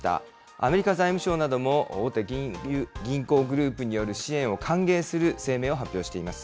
アメリカ財務省なども大手銀行グループによる支援を歓迎する声明を発表しています。